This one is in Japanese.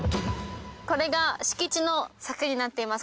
これが敷地の柵になっています。